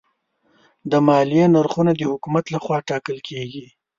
د مالیې نرخونه د حکومت لخوا ټاکل کېږي.